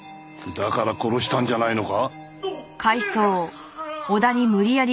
だから殺したんじゃないのか？